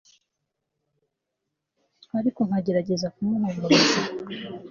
ariko nkagerageza kumuhumuriza